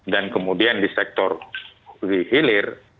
dan kemudian di sektor di hilir